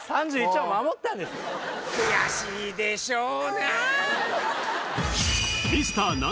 ３１を守ったんですミスター